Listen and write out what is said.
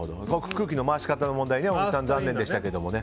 空気の回し方の問題小木さん、残念でしたけど。